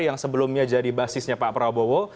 yang sebelumnya jadi basisnya pak prabowo